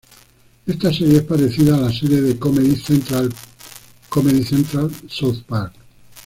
Esta serie es parecida a la serie de Comedy Central, "South Park".